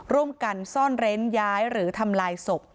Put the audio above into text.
ร่วมกันซ่อนเร้นย้ายหรือทำลายศพ